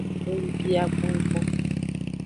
Ngubia gbongbon.